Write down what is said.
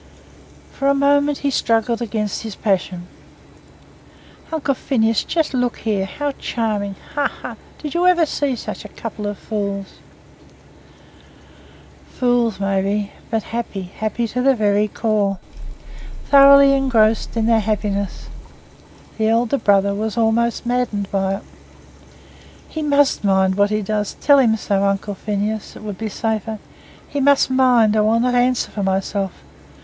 For a moment he struggled against his passion. "Uncle Phineas, just look here. How charming! Ha, ha! Did you ever see such a couple of fools?" Fools, maybe, but happy; happy to the very core thoroughly engrossed in their happiness. The elder brother was almost maddened by it. "He must mind what he does tell him so, Uncle Phineas it would be safer. He MUST mind, or I will not answer for myself.